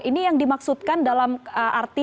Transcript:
ini yang dimaksudkan dalam arti